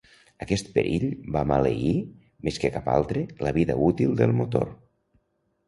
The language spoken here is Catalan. Aquest perill va maleir, més que cap altre, la vida útil del motor.